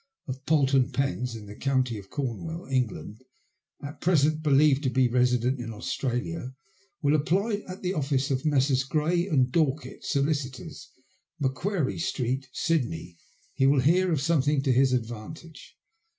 of Polton Penna, in the Comity of Cornwall, England, at present believed to be resident in Australia, will apply at the office of Messrs. Grey and Dawkett, solicitors, Macqaarie Street, Sydney, he will hear of something to his advantage.